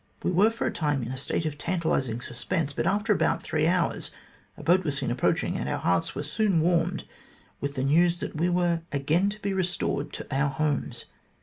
We were for a time in a state of tantalising suspense, but after about three hours, a boat was seen approaching, and our hearts were soon warmed with the news that we were again to be restored to our homes.